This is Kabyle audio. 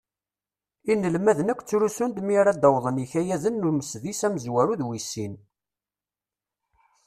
Inelmaden akk ttrusun-d mi ara d-awwḍen yikayaden n umesḍis amezwaru d wis sin.